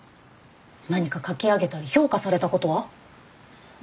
何か描き上げたり評価されたことは？